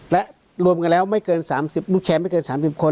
และรวมกันแล้วไม่เกิน๓๐ลูกแชร์ไม่เกิน๓๐คน